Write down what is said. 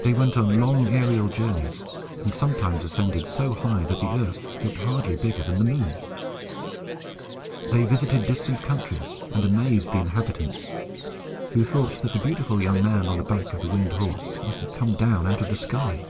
They went on long aerial journeys, and sometimes ascended so high that the earth looked hardly bigger than the moon. They visited distant countries, and amazed the inhabitants, who thought that the beautiful young man, on the back of the winged horse, must have come down out of the sky.